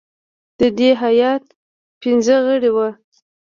د دې هیات پنځه غړي وه.